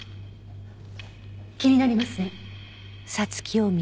気になりますね。